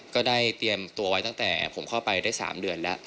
ก็ได้เตรียมตัวไว้ตั้งแต่ผมเข้าไปได้๓เดือนแล้ว